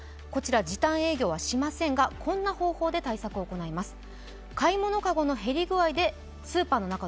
こちら時短営業はしませんが、こんな方法で対策を行います。